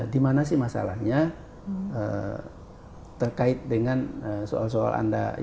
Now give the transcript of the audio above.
di mana sih masalahnya terkait dengan soal soal yang anda tanya tadi